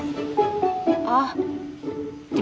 masih ni diri